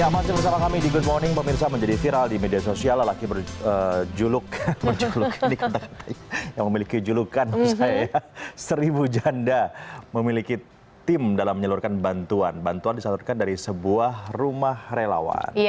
ya masih bersama kami di good morning pemirsa menjadi viral di media sosial lelaki berjuluk berjuluk yang dikatakan yang memiliki julukan seribu janda memiliki tim dalam menyalurkan bantuan bantuan disalurkan dari sebuah rumah relawan